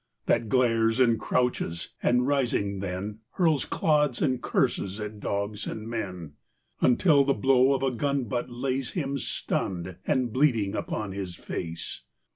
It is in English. That glares and crouches and rising then Hurls clods and curses at dogs and men. Until the blow of a gun butt lays Him stunned and bleeding upon his face.